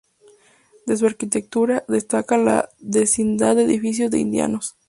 De su arquitectura, destaca la densidad de edificios de indianos.